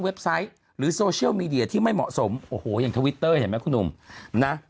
หรือโซเชียลมีเดียที่ไม่เหมาะสมโอ้โหอย่างทวิตเตอร์เห็นไหมคุณหนุ่มนะ